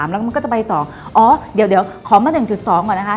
เราก็จะไป๒อ๋อเดี๋ยวขอมา๑๒ก่อนนะครับ